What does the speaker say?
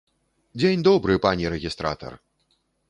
Дзень добры, пане рэгістратар!